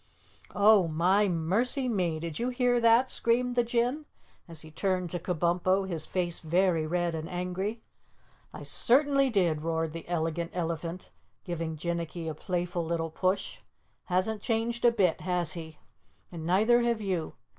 "Oh, my mercy me! Did you hear that?" screamed the Jinn, as he turned to Kabumpo, his face very red and angry. "I certainly did," roared the Elegant Elephant, giving Jinnicky a playful little push. "Hasn't changed a bit, has he? And neither have you.